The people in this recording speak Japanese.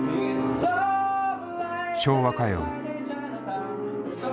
昭和歌謡。